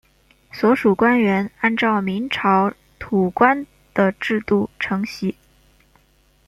所属官员按照明朝土官的制度承袭。